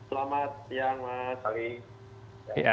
selamat siang mas ali